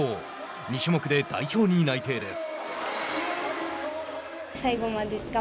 ２種目で代表に内定です。